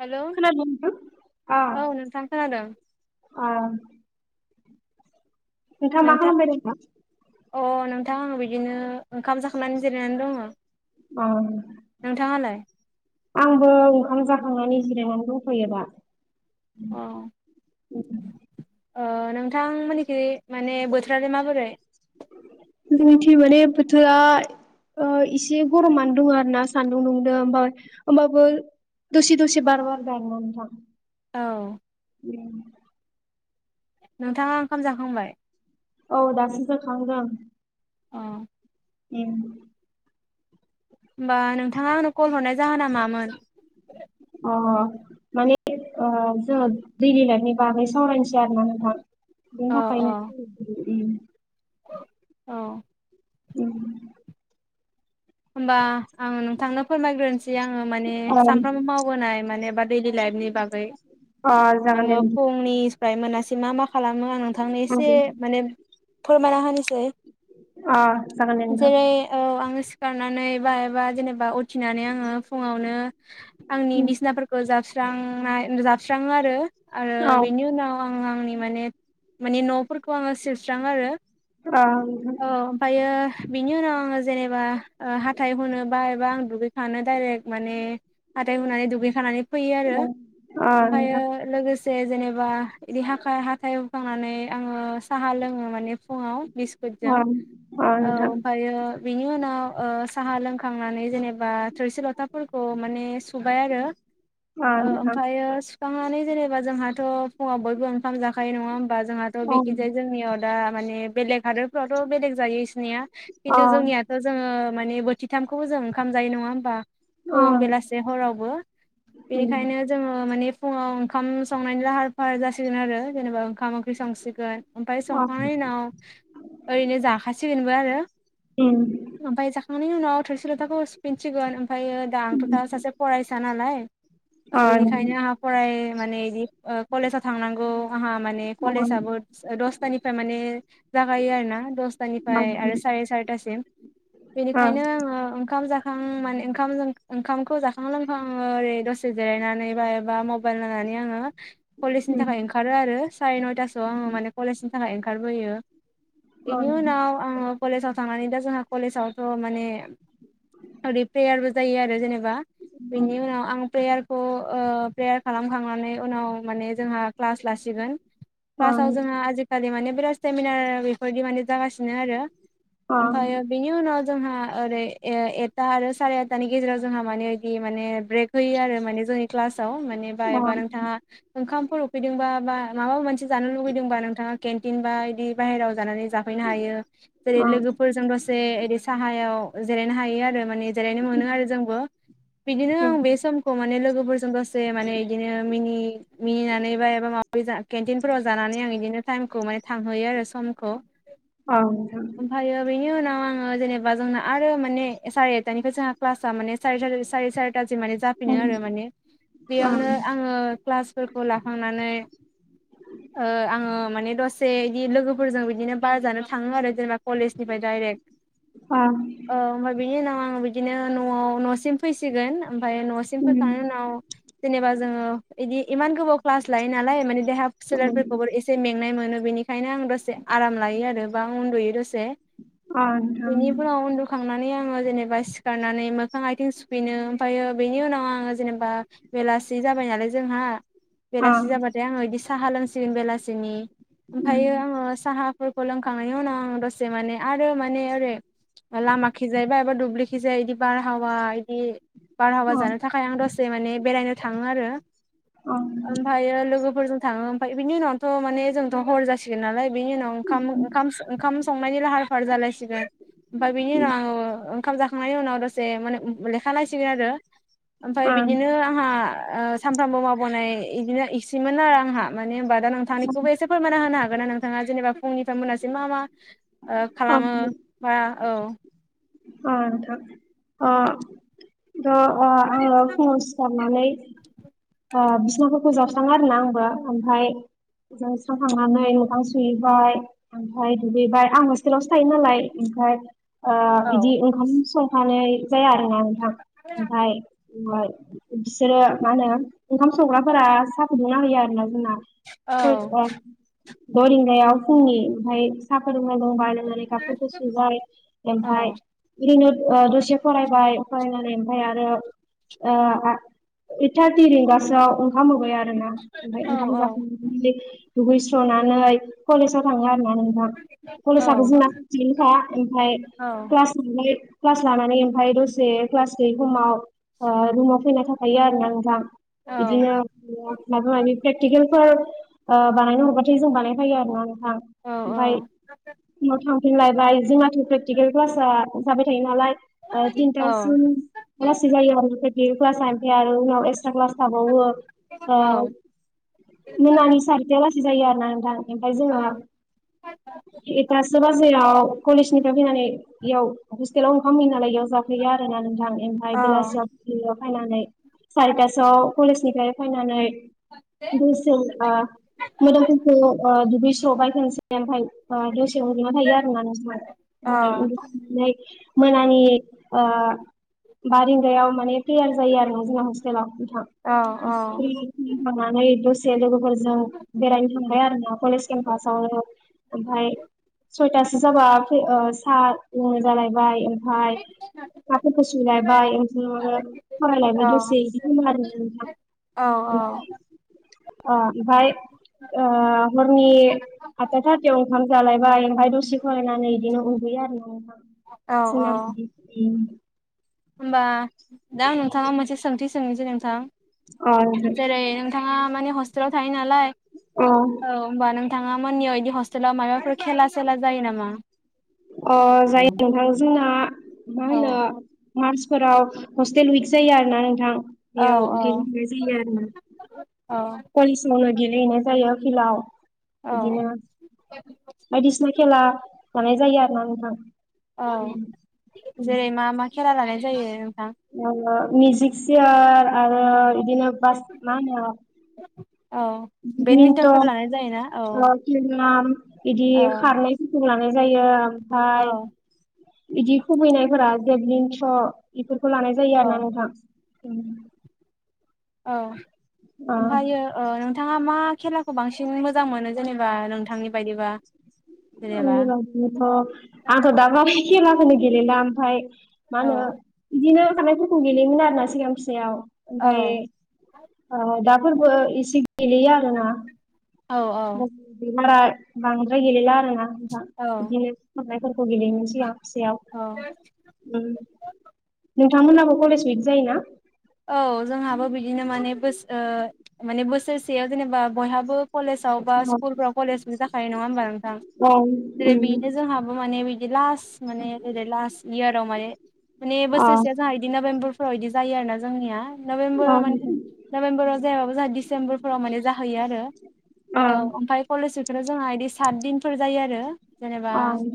Hello खोनादोना नोंथां? अ औ नोंथां खोनादों अ नोंथाङा मा नोंथां खालामबाय दं दा । अ नोंथां बिदिनो ओंखाम जाखांनानै जिरायनानै दङ अ नोंथाङालाय? आंबो ओंखाम जाखांनानै जिरायनानै दंथ'यो दा । ओ नोंथांमोननिखि माने बोथोरालाय माबोरै? जोंनिथि माने बोथोरा ओ इसे गरमानो दङ आरो ना सान्दुं दुंदो ओमफाय ओमबाबो दसे दसे बार बारदो आरो ना नोंथां । औ उम नोंथाङा ओंखाम जाखांबाय? औ दासो जाखांदों । अ उम ओमबा नोंथाङा आंनो कल हरनाय जाहोना मामोन? अ माने ओ जोङो दैलि लाइफनि बागै सावरायनोसै आरो ना नोंथां । बेनि अ थाखाय नो औ उम होमबा आं नोंथांनो फोरमायग्रोनोसै आङो माने ओ सानफ्रामबो मावबोनाय माने बा दैलि लाइफनि बागै ओ आङो जागोन दे फुंनिफ्राय मोनासै मा मा खालामो आं नोंथांनो एसे नोंथां। माने फोरमायना होनोसै अ जागोन दे जेरै औ आङो गारनानै बाहबा जेनेबा उथिनानै आङो फुङावनो आंनि बिसिनाफोरखौ जाबस स्रांनाय जाबस्राङो आरो आरो नोंथां बेनि उनाव आं आंनि माने माने न'फोरखौ आङो सिबस्रांङो आरो ओमफ्रायो बिनि उनाव आङो जेनेबा हाथाइ हुनो बा एबा आं दुगैखानो डाइरेक्ट माने हाथाय हुनानै दुगैखानानै फैयो आरो ओमफ्रायो लोगोसे जेनेबा बिदि हा हाथाय होखांनानै आङो साहा लोङो माने फुङाव औ नोंथां बिस्कुटजों औ अ औ नोंथां ओमफ्रायो बिनि उनाव साहा लोंखांनानै जेनेबा थोरसि लथाफोरखौ माने सुबाय आरो अ ओ नोंथां अ ओमफ्रायो सुखांनानै जेनेबा जोंहा थ' फुङाव बयबो ओंखाम जाखायो नङा होमबा जोंहाथ' नोंथां औ बिखिजाय जोंनियाव दा माने बेलेग हादोरफ्रावथ' बेलेग जायो इसिनिया अ खिन्थु जोंनियाथ' जोङो माने बोथिथामखौबो जों ओंखाम जायो नङा होनोमबा अ फुं बेलासे हरावबो उम बेनिखायनो जोङो माने फुङाव ओंखाम संनायनि लाहार फाहार जासिगोन आरो जेनेबा ओंखाम ओंख्रि संसिगोन ओमफ्राय अ संखांनायनि उनाव ओरैनो जाखासिगोनबो आरो उम ननि उनाव थोरसि ल'थाखौ सुफिनसिगोन ओमफ्रायायो दा आंथ'था सासे फरायसा नालाय अ ओ बेनिखायनो आंहा फराय माने इदि ओ कलेजाव थांनांगौ आंहा माने उम कलेजाबबो दसथानिफ्राय माने जागायो आरो ना आं अ उम अ नोंथां दफ्राय उम आरो साराय सारिथासिम अ बेखायनो आङो ओखाम जाखां माने ओंखाम ओंखामखौ जाखां लोंखां ओरै दसे जिरायनानै बा एबा मबाइल नायनानै आङो कलेजनि थाखाय ओंखारो आरो साराय नयथासोआव आङो माने कलेजनि थाखाय ओंखारबोयो बेनि उनाव आङो कलेजाव थांनानै दा जोंहा कलेजावथ' माने ओरै प्रेयारबो जायो आरो जेनेबा बिनि उनाव आं प्रेयार खौ ओ प्रेयार खालामखांनानै उनाव माने जोंहा क्लास लासिगोन क्लासाव जोंहा आजिखालि माने बिराद सेमिनार बेफोरदि माने जागासि सिनो आरो ओमफायो बेनि उनाव जोंहा ओरै ए एथा आरो साराय एथानि गेजेराव जोंहा माने इदि माने ब्रेक होयो आरो माने जोंनि क्लासाव माने बा एबा नोंथाङा ओंखामफोर उखैदोंबा बा माबा मोनसे जानो लुुबैदोंबा नोंथाङा केन्टिन बा इदि बाहेराव जानानै जाफैनो हायो जेरै लोगोफोरजों दसे इदि साहायाव जिरायनो हायो आरो माने जिरायनो मोनो आरो जोंबो बिदिनो आं बे समखौ माने लोगोफोरजों दसे माने बिदिनो मिनि मिनिनानैबा एबा माबा बि जा केन्टिनफोराव जानानै आं इदिनो थाइमखौ माने थांहोयो आरो समखौ आमफायो बेनि उनाव आङो जेनेब बा जोंना आरो माने सारे एथानिफ्राय जोंहा ख्लासा माने [unintelligible] थां सिम माने जाफिनो आरो माने बेयावनो आङो क्लासफोरखौ लाखांनानै ओ आङो माने दसे बिदि लोगोफोरजों बिदिनो बार जानो थाङो आरो जेनेबा कलेजनिफ्राय डाइरेक्ट औ ओमफाय बेनि उनाव आं बिदिनो न'आव न'सिम फैसिगोन ओमफाय न'सिम फोखांनायनि उम उनाव जेनेबा जोङो इदि इमान गोबाव क्लास लायो नालाय माने देहा उम सोलेरफोरखौबो एसे मेंनाय मोनो बेनि खायनो आं दसे आराम लायो आरो बा आं उन्दुयो दसे अ नोंथां बिनिफ्रायाव उन्दुखांना मानि आंङो जेनेबा सिखारनानै मोखां आइथिं सुफिनो ओमफायो बिनि उनाव आंङो जेनेबा बेलासि जाबाय नालाय जोंहा अ बेलासि जाबाथाय आङो बिदि साहा लोंसिगोन बेलासिनि उम ओमफायो आङो साहाफोरखौ लोंखांनायनि उनाव आं दसे माने आरो माने ओरै लामाखि जाय बा एबा दुबलिखिजाय बिदि बार हावा इदि बारहावा अ जानो थाखाय आं दसे माने बेरायनो थाङो आरो अ ओमफायो लोगोफोरजों थाङो ओमफाय बिनि उनावथ' माने जोंथ' हर जासिगोन नालाय बिनि उनाव ओंखाम ओंखाम संनायनि लाहार फाहार जा लायसिगोन ओमफाय बेनि उनाव आङो ओंखाम जाखांनायनि उनाव दसे माने लेखा नायसिगोन आरो ओमफाय अ बिदिनो आंहा ओ सानफ्रामबो मावबोनाय इदिनो मोन आरो आंहा माने होनोमबा दा नोंथांखौबो एसे फोरमान होनो हागोन ना नों थाङा जेनेबा फुंनिफ्राय मोनासिम मा मा ओ खालामो बा औ अ नोंथां ओ ओ अ आङो फुङाव सिखारनानै ओ बिसनाखौ फोजाबस्राङो आरोना आंबो ओमफाय जाबस्रांखांनानै मोखां सुहैबाय ओमफाय दुगैबाय आं हसतेलावसो थायो नालाय ओमफाय ओ औ बिदि ओंखाम संफानाय जाया आरो। आं नोंथां ओमफाय ओमफाय बिसोरो मा होनो ओंखाम संग्राफोरा साहा फुदुंना होैया आरोना जोंना। औ सय द रिंगायाव फुंनि ओमफाय साहा फोरबोलोंबाय । नानै कापफोरखौ सुबाय औ ओमफाय ओरैनो ओ दसे फरायबाय फरायनानै ओमफाय आरो ओ ओइत थारथि रिंगासोआव ओंखाम होबाय आ रोना औ ओंखाम जाखां दुगैस्रनानै कलेजाव थांला माना औ कलेजाबो जोंना खाथियानोखा ओमफाय क्लासावलाय क्लास लानानै ओमफाय दसे क्लास गैयै समाव रुमाव फैना थाफैयो आरोना नोंथां। बिदिनो मायबा मायबि प्रेक्टिकेलफोर ओ बानायनो हरबाथाय जों बानायफायो आरोना नोंथां औ ओमफाय उनाव थांफिनलायबाय जोंनााथ' प्रेकटिकेल क्लासा जाबाय थायो नालाय औ थिनथासिम आ लासै जायो आरो क्ला एक्स क्लास थाबावो। ओ औ मोनानि सारिथाया लासि जायो आरोना नोंथां। ओमफाय औ जोङो एथासो बाजियाव कलेजनिफ्राय फैनानै एयाव हस्टेलाव ओंखाम होयो नालाय एयाव थाफैयो आरोना नोंथां औ एनिफाय बेलासियाव फैनानै सारिता सोआव कलेजनिफ्राय फैनानै गोसोबा ओ मोदोमफोरखौ ओ दुगैस्रबाय खोनसेै ओमफाय दसे उन्दुना थायो आरोना नोंसोर औ ओमफाय उन्दुनाय मोनानि ओ बारिंगायाव माने ख्लियार जायो आरोना जोंना हस्टेलाव नोंथां औ दसे लोगोफोर जों बेरायनो थांबाय आरोना कलेज खेमफासाव ओमफाय सयथासो जाबा ओ साहा लोंनो जालायबाय ओमफाय काफफोरखौ सुलायबाय ओमफाय माबा फरायलायबाय दसे औ औ अ ओमफाय ओ हरनि आदता ओंखाम जालायबाय ओमफाय दसे फरायनानै इदिनो उन्दयो आरोना नोंथां। औ औ जोंना होमबा दा आं नोंथानाव मोनसे सोंथि सोंनोसै नोंथां? अ नोंथां जेरै नोंथाङा माने हस्टेलाव थायो नालाय अ औ होमबा नों नोंथांमोननियाव इदि हस्टेलाव मायबाफोर खेला सेेला जायो नामा? अ जायो नोंथां जोंना मा औ होनो मार्च फोराव हस्टेल उइक जायो आरो ना नोंथां औ बेयाव औ गेलेहनाय जायो आरो ना औ कलेजावनो गेलेहैनाय जायो खेलाव औ बिदिनो बायदिसिना खेला हरनाय जायो आरो ना नोंथां औ उम जेरै मा मा खलाा लानाय जायो नोंथां मिजिक सिया आरो बिदिनो बास औ बिथ' बेडमिन्टनफोर लानाय जायोना औ बिदि औ खारलायथ लनानै ओमफ्रायो ओमफाय औ इदि खुबैनायफा जेब्लिं स खौ लानाय जायो औ आरोोना नोंथां औ ओ ओमफ्रायो नोंथाङा मा खेलाखौ बांसिन मोजां मोनो जेनेबा नोंथांनि बायदिबा जेनेबा आंनिबाबोथ आंथ दामानि खेलाखौानो गेलला आफाय मा औ होनो बिदिनो खारनायफोरखौ गेलेयोमोन आरो ना सिगां फिसायाव औ ओमफाय ओ दाफोरबो एसे गेलेयो आरोना। औ [unintelligible] बांद्राय गेलेला आरोना नोंथां औ बिदिनो खारनायफोर औ [unintelligible] नोंथांमोनहाबो कलेज उइक जायोना? औ जोंहाबो बिदिनो माने बोस ओह माने बोसोरसेयाव जेनेबा बयहाबो कलेजाव बा स्कुलफ्राव कलेज उइक जाखायो नङा होमबा नोंथां औ जेरै उम बेनो जोंहाबो माने बिदि लास्ट माने ओरै लास्ट इयाराव माने, माने अ बोसोरसेया जोंहा इदि नभेम्बरफोराव इदि जायो आरोना जोंनिया अ नभेम्बराव माने नोंथां नभेम्बराव जायाबाबो जोंहा डिसेम्बरफोराव माने जाहैयो आरो। अ औ ओमफाय कलेज उइकफोराव जोंहा इदि सात दिनफोर जायो आरो। जेनेबा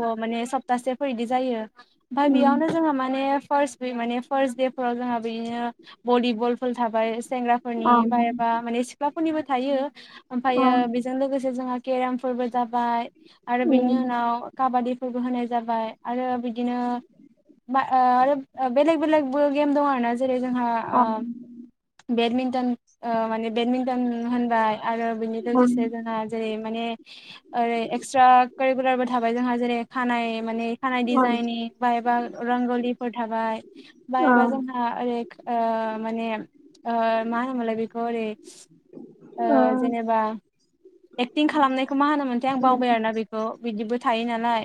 अ' माने सप्तासेफोर इदि जायो ओमफाय उम बेयावनो जोहा माने फार्स्ट माने फार्स्ट दे फोराव जोंहा बिदिनो भलिबलफोर थाबाय। अ सेंग्राफोरनि बा एबा माने सिख्लाफोरनिबो थायो अ ओमफ्रायो बेजों लोगोसे जोंहा केराम फोरबो जाबाय आरो बिनि उम उनाव काबादि फोरबो होनाय जाबाय आरो बिदिनो बा ओह आरो बेलेग बेलेगबो गेम दं आरोना जेरै जोंहा अ ओ बेडमिन्टन ओ माने बेडमिन्टन होनबाय आरो बिनि ओं लोगोसे जोंहा जेरै माने ओरै एक्सट्रा कारिकुलारबो थाबाय जोंहा जेरै खानाय माने खानाय डिजाइनिं बा एबा रंगलिफोर थाबाय बा ओं ओ एबा जोंहा ओरै ओ माने ओ मा होनो मोनलाय बेखौ ओरै ओह ओ जेनेबा एक्टिं खालामनायखौ मा होनोमोनथाय आं बावबाय आरोना बेखौ बिदि बो थायो नालाय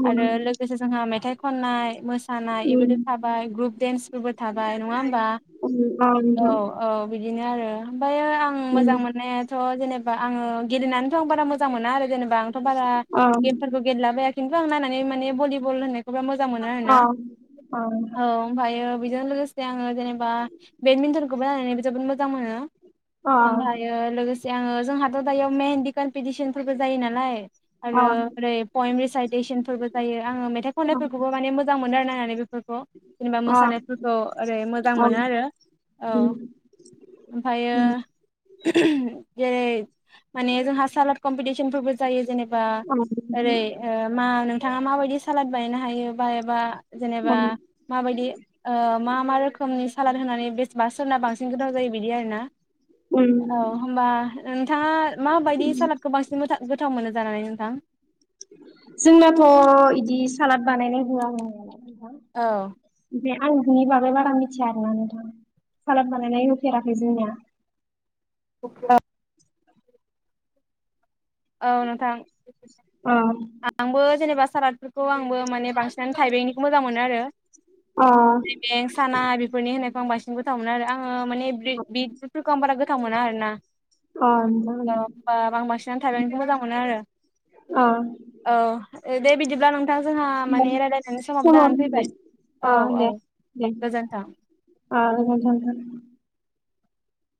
उम आरो लोगोसे जोंहा मेथाइ खननाय मोस सानाय एफोदो उम थाबाय ग्रुप डेन्सफोरबो थाबाय नङा होमबा? उम अ औ नोंथां औ बिदिनो। आरो ओमफायो आं उम मोजां मोननायाथ' जेनेबा आङो गेलेनानैथ' आं बारा मोजां मोना आरो जेने बा आंथ' बारा अ गेमफोरखौ गेलेलाबाया खिन्थु आं नायनानै माने भलिबल होननायखौ बिराद मोजां मोनो आरोना। अ अ औ ओमफायो बेजों लोगोस आङो जेनेबा बेडमिन्टनखौबो नायनानै जोबोद मोजां मोनो अ आमफायो लोगोस से आङो जोंहाथ' दायो मेहन्दि कम्पिटिसन फोरबो जायो नालाय। अ आरो ओरै पयेम रिसाइटेसनफोरबो जायो आङो मेथाइ खननायफोरखौबो माने मोजां मोनो आरो नायनानै बे खौ जेनेबा अ मोसानायफोरखौ ओरै मोजां अ मोनो उम आरो औ। ओमफायो उम जेरै माने जोंहा सालाद कम्पिटिसन फोरबो जायो जेनेबा ओरै अ ओ मा नों थाङा माबायदि सालाद बानायनो हायो बा एबा जेनेबा उम माबायदि ओह मा मा रोखोमनि सालाद होनानै बेसबा सोरना बांसिन गोथाव जायो बिदि आरोना। औ उम होमबा नोंथाङा माबायदि सालादखौ बांसिन मोजा गोथाव मोनो जानानै नोंथां? जोंनाथ' इदि सालाद बानायनाय होआ [unintelligible] औ। बे आं बेनि बागै बारा मिथिया आरोना नोंथिं। सालाद बानायनाय नुफेराखै जोंना। औ औ नोंथां अ आंबो जेनेबा सालादफोरखौ आंबो माने बांसिनानो थाइबेंनिखौ मोजां मोनो आरो। अ थाइबें साना बेफोरनि होननायखौ आं बांसिन गोथाव मोनो आरो। ओ माने ब्रिद बिटफोरखौ आं बारा गोथाव मोना आरो ना। अ औ नोंथां होमबा आं बांसिनानो थाइबेंखौ मोजां मोनो आरो। अ औ दे बिदिब्ला नोंथां जोंहा माने रायलायनानै समाबो दानानै फैबाय अ औ औ। दे दे गोजोन्थों। [unintelligible]